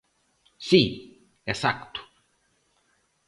Si, exacto.